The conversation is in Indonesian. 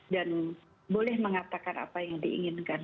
dan boleh mengatakan apa yang diinginkan